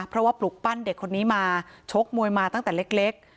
เพราะว่าปลุกปั้นเด็กคนนี้มาชกมวยมาตั้งแต่เล็ก